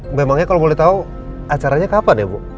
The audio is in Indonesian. memangnya kalau boleh tahu acaranya kapan ya bu